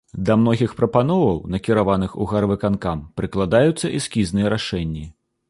Да многіх прапановаў, накіраваных у гарвыканкам, прыкладаюцца эскізныя рашэнні.